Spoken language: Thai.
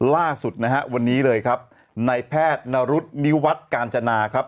ล่าสุดนะฮะวันนี้เลยครับในแพทย์นรุษนิวัฒน์กาญจนาครับ